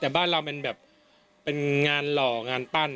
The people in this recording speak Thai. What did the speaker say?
แต่บ้านเราเป็นแบบเป็นงานหล่องานปั้น